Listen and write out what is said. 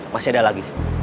masih ada lagi